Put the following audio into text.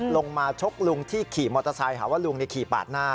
มาชกลุงที่ขี่มอเตอร์ไซค์หาว่าลุงขี่ปาดหน้า